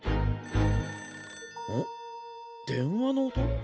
電話の音？